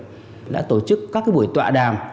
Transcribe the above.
cục cảnh sát hình đã tổ chức các buổi tọa đàm